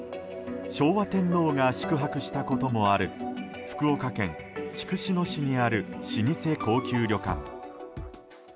昭和天皇が宿泊したこともある福岡県筑紫野市にある老舗高級旅館。